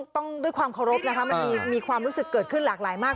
ต้องด้วยความเคารพนะคะมันมีความรู้สึกเกิดขึ้นหลากหลายมาก